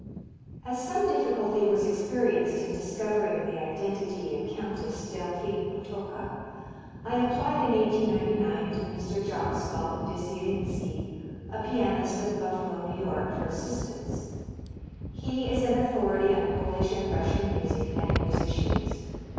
As some difficulty was experienced in discovering the identity of Countess Delphine Potocka, I applied in 1899 to Mr. Jaraslow de Zielinski, a pianist of Buffalo, New York, for assistance; he is an authority on Polish and Russian music and musicians.